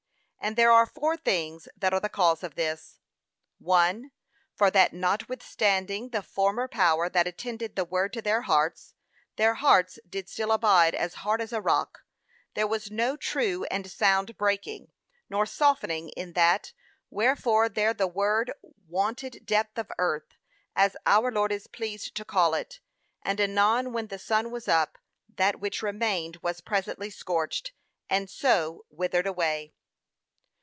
And there are four things that are the cause of this. 1. For that not withstanding the former power that attended the word to their hearts, their hearts did still abide as hard as a rock, there was no true and sound breaking, nor softening in that; wherefore there the word wanted depth of earth, as our Lord is pleased to call it; and anon when the sun was up, that which remained was presently scorched, and so withered away.